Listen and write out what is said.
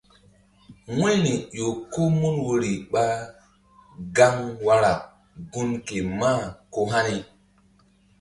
Wu̧yri ƴo ko mun woyri ɓa gaŋri wara gun ke mah ko hani.